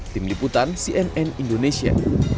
tim liputan cnn indonesia